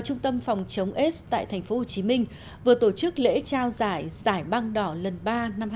trung tâm phòng chống aids tại tp hcm vừa tổ chức lễ trao giải giải băng đỏ lần ba năm hai nghìn một mươi bảy